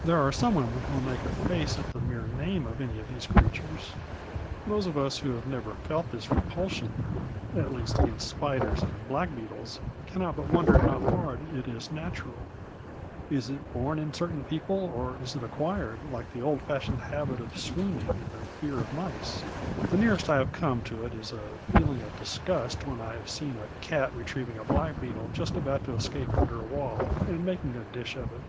There are some women who will make a face at the mere name of any of these creatures. Those of us who have never felt this repulsion at least, against spiders and blackbeetles cannot but wonder how far it is natural. Is it born in certain people, or is it acquired like the old fashioned habit of swooning and the fear of mice? The nearest I have come to it is a feeling of disgust when I have seen a cat retrieving a blackbeetle just about to escape under a wall and making a dish of it.